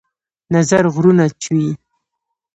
نظر غرونه چوي